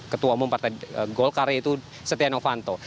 ketua umum partai golkar yaitu setia novanto